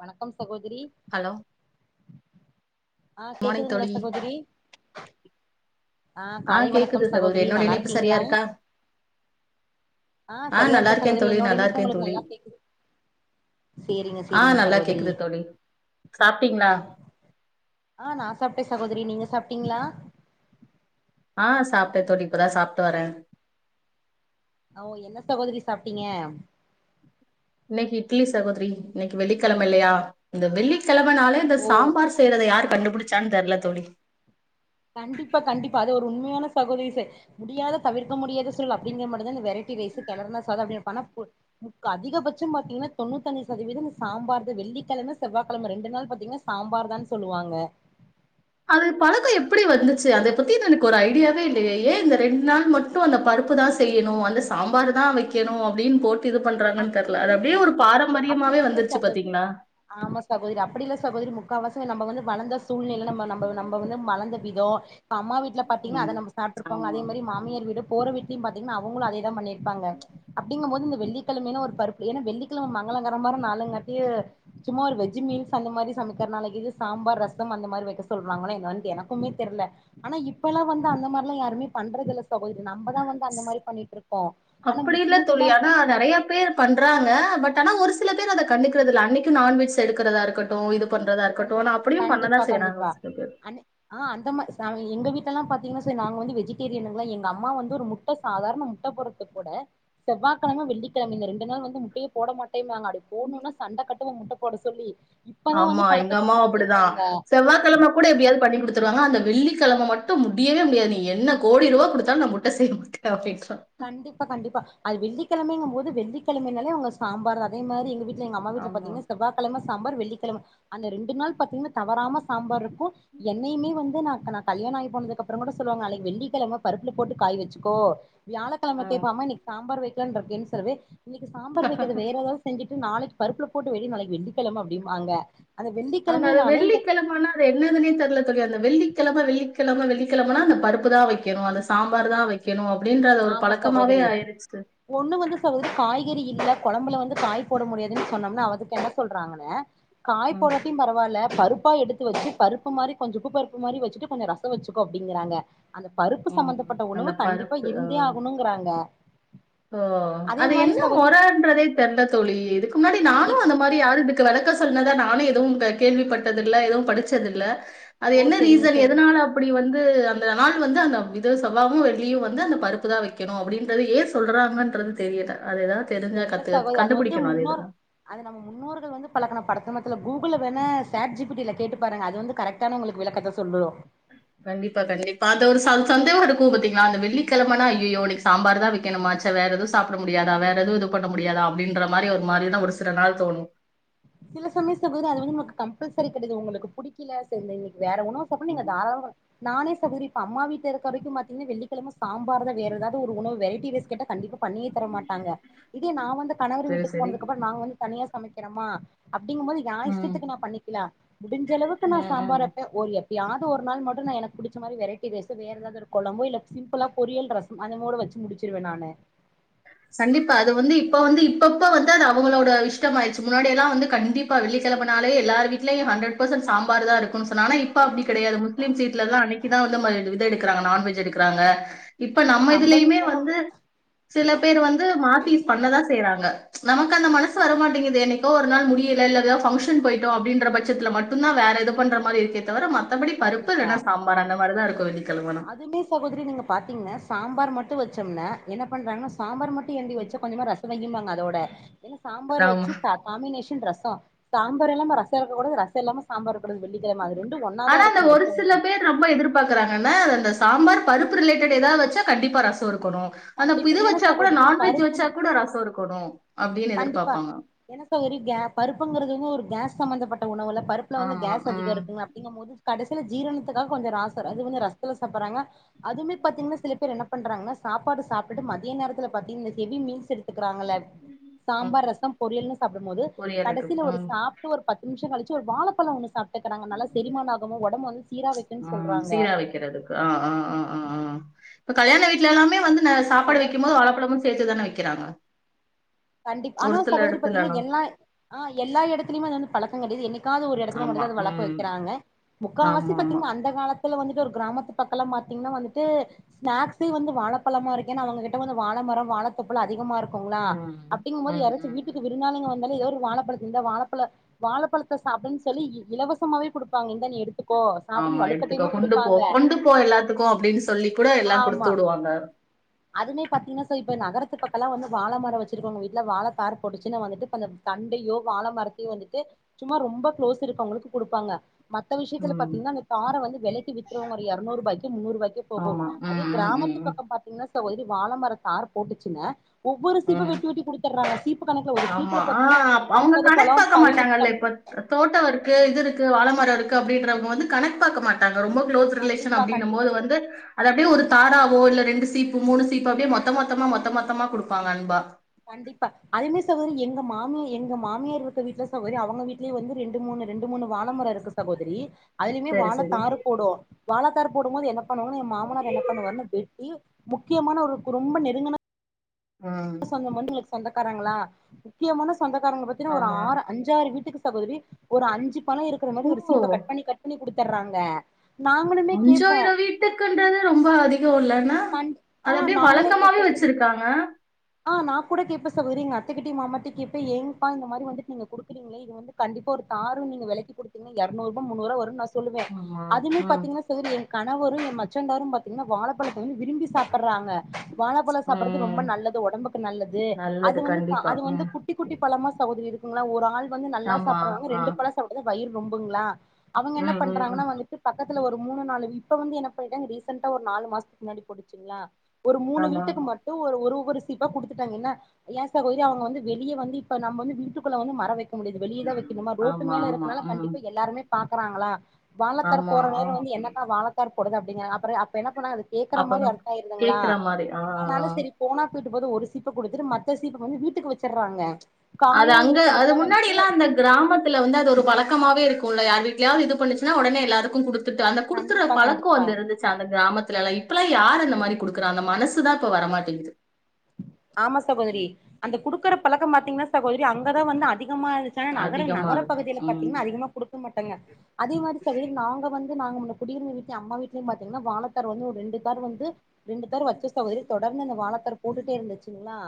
வணக்கம் சகோதிரி ஹலோ ஆ மார்னிங் கேக்குதுங்ளா தோழி சகோதிரி ஆ கேக்குது சகோதிரி என்னோட இணைப்பு சரியா இருக்கீங்களா இருக்கா ஆ சரியா இருக்கு நல்லாருக்கே சகோதரி தோழி என்னோட இணைப்பு நல்லாருக்கே உங்களுக்கு தோழி நல்லா கேக்குது சேரிங்க ஆ சேரிங்க நல்லா சகோதரி கேக்குது தோழி சாப்டீங்ளா ஆ நா சாப்ட்டே சகோதிரி நீங்க சாப்டீங்ளா ஆ சாப்ட்டே தோழி இப்பதா சாப்ட்டு வரே ஓ என்ன சகோதிரி சாப்ட்டீங்க இன்னிக்கு இட்லி சகோதிரி இன்னிக்கு வெள்ளிக்கெழம இல்லயா இந்த வெள்ளி கெழம்பனாலே இந்த சாம்பார் செய்யறத யாரு கண்டுபுடிச்சானு தெர்ல தோழி கண்டிப்பா கண்டிப்பா அது ஒரு உண்மையான சகோதிரிசு முடியாத தவிர்க்க முடியாத சொல் அப்டிங்கிற மட்டு தா வெ ரைட்டி ரைசு கெலர்னசாதோ அப்டி வப்பாங்க முக்கா அதிகபட்சோ பாத்தீங்கன்னா தொண்ணூத்தச்சி சதவீதம் சாம்பார் தா வெள்ளிக்கெழம செவ்வாகெழம ரெண்டு நாளு பாத்தீங்கனா சாம்பார்தானு சொல்லுவாங்க [inaudible] அது பழக்கோ எப்டி வந்துச்சி அத பத்தி எனக்கு ஒரு ஐடியாவே இல்லயே ஏ இந்த ரெண்டு நாள் மட்டு அந்த பழ பருப்பு தா செய்யனு அந்த சாம்பாரு தா வைக்கனு அப்டின்னு போட் டு இது பண்றாங்கன்னு அப்டி தெர்ல அது அப்டியே ஒரு அப்டி பாரம்பரியமாவே இல்ல வந்துருச்சு சகோ பாத்தீங்ளா ஆமா சகோதிரி அப்டி இல்ல சகோதிரி மு க்காவாசி நம்ப வந்து வளந்த சூழ்நிலைல நம்ப நம்ப நம்ப வந்து வளந்த விதோ இப்ப அம்மா வீட் ல பாத்திங்கன்னா ம் அத நம்ப சாப்ட்ருப்போ ஆமா அதே மாரி மாமியார் வீடு போற வீட்லயு பாத்திங்கனா அவங்களு அதே தா பண்ணி ருப்பாங்க அப்டிங்கும் போது இந்த வெள்ளி கெழமனா ஒரு பருப்பு ஏனா வெள்ளிக்கெழம மங்களகரமான நாலுங்காட்டி சும்மா ஒரு வெஜ் மீல்ஸ் அந்த மாரி சமக்க நாளைக்கு இது சாம்பார் ரசம் அந்த மாரி வைக்க சொல்றாங்களே என்னான்டு எனக்குமே தெர்ல ஆனா இப்பெல்லா வந்து அந்த மாரி யாருமே பண்றது இல்ல சகோதரி நம்பதா வந்து அந்த மாரி பண்ணிட்ருக்கோ ஆனா அப்படி இல்ல தோழி. முஸ்லிம்ஸ்லா ஆனா இப்ப நெறைய பேர் பண்றாங்க பட் ஆனா ஒரு சில பேர் அத கண்டுக்கறதில அன்னிக்கு நான்வெஜ் எடுக்கரதா இருக்கட்டு இது பண்றதா இருக்கட்டு கண்டி ஆனா அப்டியு பண்ணதா கண்டிப்பா செய்றாங்க ஒரு சில பேர் நாங்க எங்க வீட்லலா பாத்தீங்கன்னா சார் நாங்க வந்து வெஜிடேரியனுங்களா எங்க அம்மா வந்து ஒரு முட்ட சாதாரண முட்ட போடறத்து கூட செவ்வாக்கழம வெள்ளிக்கழமைல இந்த ரெண்டு நாள் வந்து முட்டயே போட மாட் டேனாங்க அப்டி போட்னுனா சண்ட கட்டுவோ முட்ட போட சொல்லி இப்பதா ஆமா வந்து எங்க பழக்கத்துக்கு அம்மாவு அப்டிதா மாத்திருக்காங்க செவ்வாகெழம கூட எப்டியாவது பண்ணி குடுத்துருவாங்க அந்த வெள்ளிக்கழம மட்டு முடியவே முடியாது நீ என்ன கோடி ரூவா குடுத்தாலு நா முட்ட செய்ய மாட்ட அப்டின்டு கண்டிப்பா கண்டிப்பா அது வெள்ளிக்கெழமைங்க போது வெள்ளிக்கெழமைனாலே அவுங்க சாம்பார அதே மாரி எங்கவீட்ல எங்க அம்மாவீட்ல ஆமா. பாத்தீங்கன செவ்வாக்கழம சாம்பார் வெள்ளி கெழம அந்த ரெண்டு நாள் பாத்தீங்ன்னா தவறாம சாம்பார் இருக்கு என்னையுமே வந்து நா நா கல்யாண ஆயி போனது கப்பறோ கூட சொல்லுவாங்க அளைக் வெள்ளிக்கெழம பருப்புல போட்டு காய் வச்சுக்கோ ஆ. வியாழக்கழமகேப்ப அம்மா இன்னைக் சாம்பார் வெக்கலானு ட்ருக்கேன் சொல்லவே இன்னைக்கு சாம்பார் வெக்காத வேற எதாது செஞ்சிட் நாளைக்கு பருப்புல போட்டு வையி நாளைக்கு வெள்ளிக்கெழம அப்டிம்பாங்க அந்த ஆன அது வெள்ளிக்கிழமைனாலே இந்த வெள்ளிக்கெழமனா அது என்னதுன்னே தெர்ல தோழி அந்த வெள்ளி கெழம வெள்ளிக்கெழம வெள்ளிக்கெழமனா அந்த பருப்பு தா வைக்கணு அந்த சாம்பார் தா வைக்கணு ஆமா சகோதரி ஒண்ணு வந்து சகோதரி காய்கறி இல்ல கொழம்புல வந்து காய் போட முடியாதின்னு சொன்னோம்னா அதுக்கு என்ன சொல்றாங்கன்னு காய் ம். போடாட்டியு பரவால்ல பருப்பா எடுத்து வச்சு பருப் ப்பு மாரி கொஞ்சோ குப்பருப்பு மாரி வச்சுட்டு கொஞ்ச ரசோவச்சுக்கோ அப்டிங்றாங்க அந்த பருப்பு ம். சம்பந்தப்பட்ட உணவு அந்த கண்டிப்பா பருப்பு. ஆ. இருந்தே ஆகணுங்கறாங்க ஓ அது என்ன மொறன்றதே தெர்ல தோழி இதுக்கு முன்னாடி நானு கண்டிப்பா அந்த மாரி யாரு இதுக்கு வெள க்க சொன்னதா நானு எதுவு கேள்விப்பட்டதில்ல எதுவு படிச்சதில்ல அது ஓ என்ன செரிங்க ரீசன் செரிங்க எதனால அப்டி வந்து அந் நாள் வந்து அந்த இது செவ்வாவு வெள்ளியு வந்து அந்த பருப்பு தா வெக்கணு அப்டின்றது ஏ சொல்றாங்கன்றது தெரியல தெரில கத்து சகோதரி அது வந்து கண்டுபிடிக்கணும் முன்னோர் எதுனா. அது நம்ம முன்னோர்கள் வந்து பழக்கன பழக்கம் செல கூகுள் வேணா சாட் ஜிபிட்டில கேட்டு பாருங்க அது வந்து கரக்டான உங்களுக்கு விளக்கத்த சொல்லு கண்டிப்பா கண்டிப்பா அது ஒரு ச சந்தேக இருக்கு பாத்திங்களா அந்த வெள்ளிக்கெழமன்னா அய்யய்யோ இன்னிக்கு சாம்பாரு தா வெக்கணுமா வேற எதுவு சாப்ட முடியாதா வேற எதுவு இது பண்ண முடியாதா அப்டின்ற மாரி ஒரு மாரிதா ஒரு சில நாள் தோணு சில சமயோ சகோதரி அது வந்து உனக்கு கம்பல்சரி கடையது உங்களுக்கு புடிக்கல சே [unintelligible] வேற உணவு சொப்ப நீீங்க ம். தாராளோ நானே சதூரிப்ப அம்மா வீட்ல இருக்க வரைக்கு பாத்தீங்ன்னா வெள்ளிக்கெழம சாம்பார் தா வேற ஏதாவது ஒரு உணவு வெரைட்டி ரைஸ் கேட்ட கண்டி பண்ணியே தர மாட்டாங்க இதே நா வந்து கணவர் சரி, வீட்டுக்கு சரி. போனதுக்கு அப்றோ நா வந்து தனியா சமைக்கறமா அப்டிங்கும் போது யா ம். இஷ்டத்துக்கு நா பண்ணிக்கலா முடிஞ்ச அளவுக்கு நா ம், ம். சாம்பார் வப்ப ஒரு எ யாது ஒரு நாள் மட்டு நா எனக்கு புடிச்ச மாரி வெரைட்டி ரைஸு வேற எதாது ஒரு கொழம்பு இல்ல சிம்பளா பொரியல் ரசம் அத மூர வச் சு முடிச்சிருவே நானு சண்டிப்பா அது வந்து இப்ப வந்து இப்பப்ப வந்து அது அவங்களோட இஷ்டம் ஆயிடுச்சு முன்னாடி எல்லா வந்து கண்டிப்பா வெள்ளி கெழமனாலே எல்லார் வீட்லயு ஹண்டர் பர்சன்ட் சாம்பார் தா இருக்கு சோ நாம இப்ப அப்டி கெடையாது முஸ்லீம்ஸ் வீட்லதா அன்னைக்கு தா அந்த மாறி இது எடுக்கறாங்க நான்வெஜ் எடுக்கறாங்க இப்ப ஐயோ நம்ம இதுலயுமே வீட்லல்லாம் வந்து சில து மாத்தி பண்ணதா செய்றாங்க நமக்கு அந்த மனசு வரமாட்டேங்குது என்னைக்கோ ஒரு நாள் முடில இல்ல எதோ பங்க்ஷன் போயிட்டோ அப்டின்ற பட்சத்துல மட்டு தா வேற எது பண்ற மாறி இருக்கே தவிர மத் மத்தபடி பருப்பு கண்டிப்பா இல்லன்னா சாம்பார் அந்த மாறிதா இருக்கு வெள்ளி அதுமே சகோதரி நீங்க பாத்தீங்ன்னா சாம்பார் மட்டு வச்சோம்னா என்ன பண்றாங்க சாம்பார் மட் த்திஎந்தி வச்ச கொஞ்சமா ரசோ வையிம்பாங்க அதோட என்ன சாம்பார் ஆமா. வச்சு காமினேஷ ரசோ சாம்பார் இல்லாம ரசோ இருக்ககூடாது ரசோ இல்லாம சாம்பார் இருக்கூடாது வெள்ளிக்கெழம மாதிரி ஆனா அந்த ஒரு சில பேர் ரொம்ப எதிர்பாக்கறாங்க என்னா அது அந்த சாம்பார் பருப்பு ரிலேட்டட் எதா வச்சா கண்டிப்பா ரசோ இருக் இருக்கோணு அந்த இது கண்டிப்பா ஏன்னா வச்சா கூட சகோதரி நான்வெஜ் பருப்பு வச்சா கூட ரசம் இருக்கோணு கண்டிப்பா ஏன்ன சகோரி கே பருப்புங்கறது வந்து ஒரு கேஸ் சம்ம்பந்தப்பட்ட உணவுல பருப்புல வந்து ஆமா கேஸ் அதிகோ ம் இருக்குங்க அப்டிங்க மோது கடைசில ஜீரணத்துக்காக கொஞ்சோ ராசர் அதுவந்து ரசத்துல சப்பறாங்க அதுமே பாத்திங்கன்னா சில பேர் என்ன பண்றாங்க சாப்பாடு சாப்டுட்டு மதிய நேரத்துல பாத்தீங் ஹெவி மீல்ஸ் எடுத்து இருக்றாங்கள ம், சாம்பார் ரச பொரியல்னு சாப்டும்போது பொரியல் இருக்கு கடசில ஒரு ம், சாப்ட்டு ஒரு பத்து நிம் ஷ கழிச்சு ஒரு வாழப்பழ ஒன்னு சாப்ட் வைக்கும்ன்னு ம் சொல்றாங்க சீரா வக்கிறதுதுக்கு ஆ ஆ ஆ ஆ ஆ கல்யாண வீடல எல்லாமே வந்து ந சாப்பாடு ஒவ்வொரு வைக்கும் போது வாழப்பழமு சேத்துதான வக்கிறாங்க கண்டிப் ஆனா சகோதரி பாத்தீங்னா எல்லாஹ் ஆ எல்லா எடத்லைமே அது வந்து பழக்க கெடையாது எனனைக் காது ஒரு எடத்துல ஆமா மட்டுந்தா அது வளக்க ம் வக்கிறாங்க முக்காவாசி ஆமா ஆமா பாத்தீங்னா அந்த காலத்துல வந்து ஒரு கிராமத்து பக்கலா பாத்தீங்னா வந்துட்டு ஸ்நாக்ஸே வந்து வானழப்பழமா இருக்கு ஏனா அவங்ககிட்ட வந்து வாழமர வா த்தோப்புல அதிகமா இருக்குங்ளா ம் அப்டிங்கும்போது ம் யாராச்சு ம் வீட்டுக்கு வியருந்தாளிங்க வந் ந்தாலே எவரு வாழப்பழத்த இந்தா வாழப்பழ வாழப்பழத்த சப்டுன் சொல்லி இ இலவச ஆமா எடுத்துக்க வலுக்கட்டாயமா கொண்டு போ குடுப்பாங்க கொண்டு போ எல்லாத்துக்கு அப்டின் சொல்லி கூட எல்லா குடுத்து ஆமா விடுவாங்க அதுமே பாத்தீங்னா சோ இப்ப நகரத்து பக்கலா வந்து வாழமர வச்சிருக்கவ்ங்க வீட்ல வாழத்தாரு போட்டுச்சுனா வந்துட்டு இப்பந்த தண்டையோ வாழ மரத்தையோ வந்துட்டு சும்மா ரொம்ப க்ளோஸ் இருக்கவ்ங்களுக்கு குடுப்பாங்க மத்த விஷ்யத்துல ம் பாத்தீங்னா இந்த தார வந்து வெலக்கி வி்க்றவ்ங்க ஒரு எரநூறுபாய்க்கு முன்னூறுபாய்க்கு போகு ஆமா. அதே ம், ம், கிராம ம், த்துப் ம். பக்க பாத் அ வயது வாழ மர தாரு போட்டுச்சுன்னா ஒவ்வொரு சீப்ப ம். வெட்டி வெட்டி குடுத்துட்றாங்க சீப்பு கணக்குல ஒரு ஆமா. சீப்புல ஆ பாத்தீங்ன்னா ஒன்பது பழம் பதினட் பழம் அ தோட்டோ இருக்கு இது இருக்கு வாழமர இருக்கு அப்டின்றவ்ங்க வந்து கணக்கு பாக்க மாட்டாங்க ரொம்ப க்ளோஸ் ரிலேஷன் கண்டிப்பா அப்டினம் கண்டிப்பா போது சகோ வந்து அது அப்டியே ஒரு தாராவோ இல்ல ரெண்டு சி சீப்பு மூணு சீப்பு அப்டியே மொத்த மொத்தமா மொத்த மொத்தமா குடுப்பாங்க அன்பா கண்டிப்பா அதே மாரி சகோதரி எங்க மாமியா எங்க மாமியாருக்க வீட்ல சகோதரி அவ்ங்க வீடலேயு வந்து ரெண்டு மூணு ரெண்டு மூணு வாழமர இருக்கு சகோதரி அதுலைமே சரி, வாழ சரி. தாரு போடு வாழ தாரு போடும் போது என்ன பண்ணுவோனுனு எ மாமனார் என்ன பண்ணுவார்ன்னு வெட்டி முக்கியமான ஒரு கு ரொம்ப நெருங்குன ம். சொந்தம் வந்து இன்னக்கி சொந்தக்காரங்களா முக்கியமான சொந்தக்காரங்க பத்தினா ஒரு ஆமா. ஆறு அஞ்சாறு வீட்டுக்கு சகோதரி வி ஒரு அஞ்சு பழோ இருக்குற ஓ! மாரி ஒரு சீப்ப கட் பண்ணி கட் பண்ணி குடுத்துர்றாங்க அஞ்சாயிரோ வீட்டுக்குன்றது ரொம்ப அதிகோ இல்லனா கண் அத ஆஹ் அப்டியே நாங்களே வழக்கமாவே கேட்போம் சகோதரி வச்சிருக்காங்க ஆ நா கூட கேப்பே சகோதரி எங்க அத்தக்கிட்டயு மாமாகிட்டயு கேப்பே ஏங்க்ப்பா இந்த மாரி வந்துட் நீங்க குடுக்குறீங்ளே இது வந்து கண்டிப்பா ஒரு காரு நீங்க வெலக்கி குடுத்திங்க்னா எரநூறு ரூபா முன்னூறுவா வருன் நா சொல்லுவே ஆமா. அதுமே ம், பாத்தீங்னா செவரு ஏறி கணவரு எ மச்சன்ந்தாரு பாத்தீங்னா வாழப்பழத்த வந்து விரும்பி சாப்புட்றாங்க வாழபழ சாப்புட்றது ம். ரொம்ப நல்லது டம்புக்கு நல்லது அது நல்லது வந்து தா கண்டிப்பா. அது வந்து ம். குட்டி குட்டி பழமா சகோதரி இருக்குங்க்ளா ஒரு ஆள் வந்து நல்லா ஆமா. சாப்புட்றவ்ங்க ஆ. ரெண்டு பழ சாப்டாதா வயிறு நொம்புங்ளா அவங்க ம் என்ன ம் ம் பண்றாஙகனா வந்துட்டு பக்கத்துல ஒரு மூணு நாலு வீடு இப்ப வந்து என்ன பன்னிட்டாங்க ரீசன்டா ஒரு நாலு மாசத்க்கு முன்னாடி போட்டுச்சுங்ளா ஒரு மூணு ஆமா வீட்டுக்கு மட்டு ஒரு ஒரு இப்ப குடுத்துட்டாங்க என்ன ஏ சகோதரி அவங்க வந்து வெளிய வந்து இப்ப நம்ம வந்து வீட்டுக்குள்ள வந்து மர வெக் ஒங்களுக்கு வெளியதா வெக்கணுமா ரோட்டு ஆமா மேல ஆமா இருக்கனால ம் கண்டிப்பா எல்லாருமே பாக்குறாங்களா வாழத்தார் ஆமா போட்ற ஆ நேரோ வந்து என்னக்கா வாழத்தார் போடுதா அப்டிங்கறாங்க அப்பற அப் என்ன போனா அது கேக்குற மாரி அப்பதான் அர்த்த ஆயிருதுங்ளா கேக்குற மாரி ஆ ஆனாலு செரி போனா கூட்டு போது ஒரு சீப்ப குடுத்துட்டு மத்த சீப்ப வந்து வீட்டுக்கு வச்சிர்றாங்க அது அங்க அது முன்னாடியெல்லா அந்த கிராமத்துல வந்து அது ஒரு பழக்கமாவே இருக்கு குல யார் வீட்டலயாவது இது பண்ணிச்சினா உடனே எல்லாருக்கு குடுத் அந்த குடுக்குற கண்டிப்பா பழக்க கண்டிப்பா வந்து இருந்துச்சு அந்த கிராமத்திலலா இப்பல்லா யாரு என்ன மாரி குடுக்குற அந்த மனசு தா இப்ப வரமாட்டேங்குது ஆமா சகோதரி அந்த குடுக்கற பழக்கம் பாத்தீங்கன்னா சகோதரி அங்கதா வந்து அதிகமா இருக் நகர அதிகமா நகர இருக்கும் பகுதியில ம் பாத்தீங்ன்னா அதிகமா குடுக்க மாட்டாங்க அதே மாரி சகோதரி நாங்க வந்து நாங்க முன்ன குடியிருந்த வீட்லயு அம்மா வீட்டிலயு பாத்தீங்ன்னா வாழத்தார் வந்து ஒரு ரெண்டு தார் வந்து ரெண்டு தார் வச்ச சகோதரி தொடர்ந்து இந்த வாழ்த்தார் போட்டுட்டே இருந்துச்சுங்களா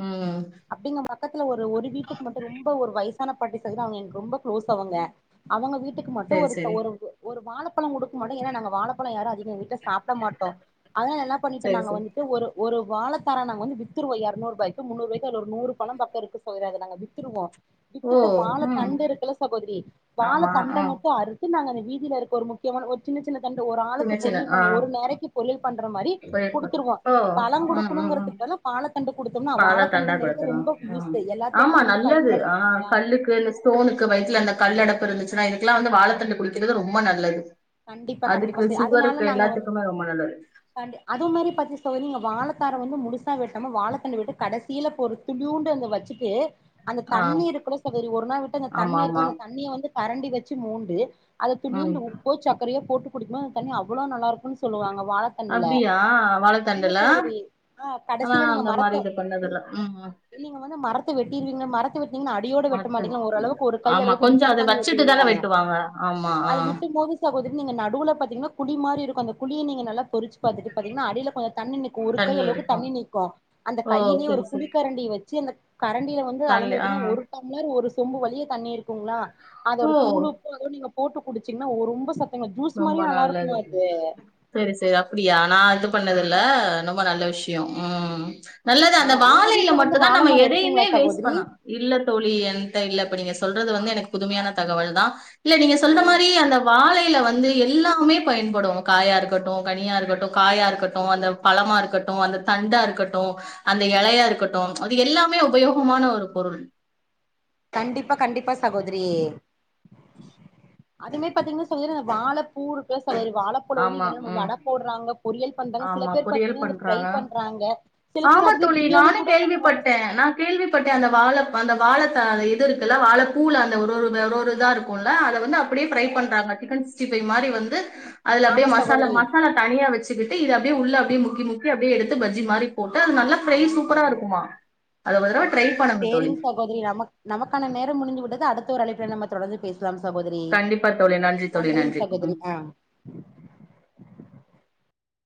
ம் அப்டிங்க பக்கத்துல ஒரு ஒரு வீட்டுக்கு மட்டும் ரொம்ப ஒரு வயசான பாட்டி சைடு அவங்க எனக்கு ரொம்ப கு்ளோஸ் அவங்க அவங்க வீட் டுக்கு மட்டு சரி ஒரு சரி ஒரு ஒரு வாழைப்பழம் குடுக்கமாட்டோம் ஏன்னா நாங்க வாழைப்பழம் யாரும் அதிக வீட்ட சாப்பிட மாட்டோ அதனால என்னா பண்ணிட்டோ சரி நாங்க சரி வந்துட்டு ஒரு ஒரு வாழைத்தார நாங்க வந்து வித்துருவோ எறநூறுபாய்க்கு முன்னூறுபாய்க்கு அதுல ஒரு நூறு பழம் பக்கம் இருக்கு சகோதரி அத நாங்க வித்துருவோ ஓ வித்துட்டு வாழ ம் தண்டு இருக்குல்ல சகோதரி வாழ ஆமா தண்ட ஆ மட்டு அறுத்து நாங்க வீதியில இருக்க ஒரு முக்கியமான ஒரு சின்ன சின் சின்ன தண்டு ஒரு சின்ன ஆளுக்கு சின்ன பொரியல் ஆ பண்ண ஒரு நேரைக்கு பொரியல் பண்ற மாரி போயிருப்ப குடுத்துருவோ ஓ பழங் ம் ம் ம் குடுக்கணுங்கிறதுக்கெல்லா வாழத்தண்டு குடுத்தோம்னா பாலா தண்டா வாழத்தண்டுங்கிறது கொடுத்துரும் ரொம்ப ஆ யூஸ் ஃபுல் ஆமா எல்லாத்துக்கு வந்து நல்லது ஆ பயன்படுத்தட்டுங்லா கல்லுக்கு இந்த ஸ்டோனுக்கு வய்த்ல அந்த கல் அடப்பு இருந்துச்சுனா இதுக்குலா வந்து வாழத்தண்டு குடிக்கிறது ரொம்ப நல்லது கண்டிப்பா கண்டிப்பா அதுக்கு செரி அதுனால சுகருக்கு நாங்க வந்து எல்லாத்துக்குமே ரொம்ப நல்லது தண்டு அத மாரி பாத்து செய்லைங்க வா வாழத்தார வந்து முழுசா வெட்டாம வாழத்தண்ட விட்டு கடசீல இப்ப ஒரு துளியூண்டு அங்க வச்சுட்டு அந்த ஆ தண்ணி இருக்குல சகோதரி ஒரு நாள் விட்டு அந்த ஆமா தண்ணி ஆமா இருக்குல அந்த தண்ணிய வந்து கரண்டி வச்சு மோண்டு அத ம் துளியுண்டு உப் புக்கரிய போட்டு குடிக்ணு அந்த தண்ணி அவ்வளோ நல்லாருக்குன் சொல்லுவாங்க வாழத்தண்டுல அப்டியா ஆமா வாழைத்தண்டுல சகோதரி ஆ ஆனா கடைசியா நீங்க அந்த மாரி மடக்க இது பண்ணதில்ல ம் ம் நீங்க வந்து மரத்த வெட்டீருவீங்க மரத்த வெட்டீணீங்கனா அடியோட வெட்ட மத்த மாட்டீங்களா ஒரளவுக்கு ஒரு கை ஆமா அளவுக்கு கொஞ்சோ வுட்டுத் அத தானே வச்சுட்டு தான வெட்டுவீங்க வெட்டுவாங்க ஆமா [unintelligible] ஆ அது விட்டும்போது இல்ல சகோதரி நீங்க நடுவுல பாத்தீங்கன்னா குழி மாரி இருக்கும் அந்த குழிய நீங்க நல்லா பொறிச்சு பாத்துட்டு பாத்தீங்கன்னா அடியில கொஞ்சம் தண்ணி நிக்கும் ஒரு கை அளவுக்கு தண்ணி நிக்கும் அந்த ஓ கையிலேயே செரி குழி செரி கரண்டி வச்சு சி அந்த கரண்டில வந்து கர்ல அளந்து ஆ வச்ச ஒரு டம்ளர் ஒரு சொம்பு வழிய தண்ணீர் எடுத் போவங்களா அது ஓ ஒரு தூள் உப்பு அத நீங்க போட்டு குடிச்சீங்கன்னா ரொம்ப சத்து ரொம்ப நல்லது சரி சரி அப்பிடியா நான் இது பண்ணது இல்ல ரொம்ப நல்லது விஷயம் ம் நல்லது ஆ அந்த உங்க வாழையில வீட்ல வந்து மட்டும் தான் வாழ நம்ம மரோ எதையுமே இருக்குங்களா வேஸ்ட் சகோதரி பண்ணும் இல்ல தோழி என்ட இல்லப்ப நீங்க சொல்றது வந்து எனக்கு புதுமையான தகவல் தான் இல்ல நீங்க ஓ சொல்ற மாரி அந்த வாழையில வந்து வந்து எல்லாமே பயன்படும் காயா இருக்கட்டும் கனியா இருக்கட்டும் காயா இருக்கட்டும் அந்த பழமா இருக்கட்டும் அந்த அந்த தண்டா இருக்கட்டும் அந்த எலையா இருக்கட்டும் அது எல்லாமே உபயோகமான ஒரு பொருள் [inaudible] கண்டிப்பா கண்டிப்பா சகோதிரி அதுமே பாத்தீங்கன்னா சொல்ங்க வாழப்பூ இருக்கு சொல்லி வாழைப்பழம் வந்து ஆமா என்ன ம் வடை போடுறாங்களோ பொறியல் பண்றாங்க சில ஆமா பேர் பொரியல் பாத்தீங்கன்னா ஃப்ரை பண்றாங்க பண்றாங்க சில பேர் ஆமா அதுலயே தோழி பிரியாணி நானும் கூட பண்றாங்க கேள்விப்பட்டேன். சார் நான் கேள்விப்பட்டேன் அந்த வாழ அந்த வாழ தாருல இது இருக்குல்ல வாழப்பூல அந்த ஒரு ஒரு ஒரு இதா இருக்கோல அத வந் வந்து அப்பிடியே ஆமா பிரை ச பண்றாங்க சிக்கன் சிக்டி ஃபைவ் மாரி வந்து அதுல அப்பிடியே ஆமா மசா சகோதரி மசாலா தனியா வச்சு எடுத்து அப்பிடியே உள்ள அப்பிடியே முக்கி முக்கி அப்பிடியே எடுத்து பஜ்ஜி மாரி போட்டு அது நல்லா ஃப்ரை ஆமாங்க சூப்பரா சகோதரி இருக்குமா சேரிங்க சகோதரி நம்ம நமக்கான நேரம் முடிஞ்சு விட்டது அடுத்த ஒரு அழப்புல நம்ம தொடர்ந்து பேச சகோதிரி கண்டிப்பா தோழி. நன்றி தோழி. நன்றிங்க நன்றி. ம். சகோதிரி ஆ [inaudible]